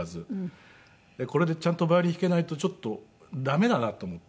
これでちゃんとヴァイオリン弾けないとちょっと駄目だなと思って。